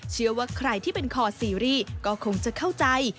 เชื่อว่าใครที่เป็นคอซีรีส์ก็คงจะเข้าใจ